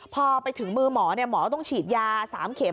พอไปถึงมือหมอหมอต้องฉีดยา๓เข็ม